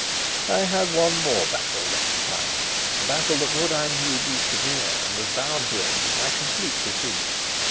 I had one more battle left to fight a battle that would, I knew, be severe, and was bound to end in my complete defeat.